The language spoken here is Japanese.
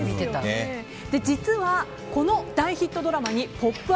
実はこの大ヒットドラマに「ポップＵＰ！」